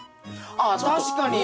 あっ確かに。